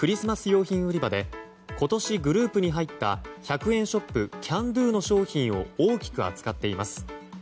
用品売り場で今年グループに入った１００円ショップキャンドゥの商品を大きく扱っています。